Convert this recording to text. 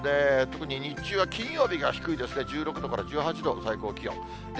特に日中は金曜日が低いですね、１６度から１８度、最高気温。